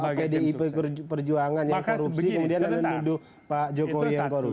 kalau pdi perjuangan yang korupsi kemudian anda nuduh pak jokowi yang korupsi